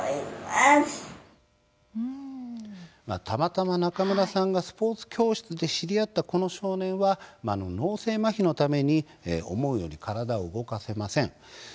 たまたま中村さんがスポーツ教室で知り合ったこの少年は、脳性まひのために思うように体を動かせません。